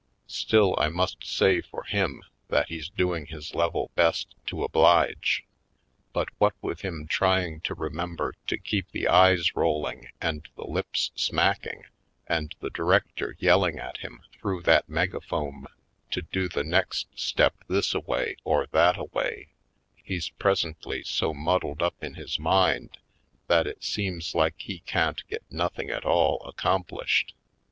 Still, I must say for him that he's doing his level best to oblige. But what with him trying to remember to keep the eyes rolling and the lips smacking, and the director yell ing at him through that megaphome to do the next step this a way or that a way, he's presently so muddled up in his mind that it seems like he can't get nothing at all accom plished.